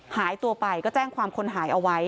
หายตัวไปก็แจ้งความคนหายเอาไว้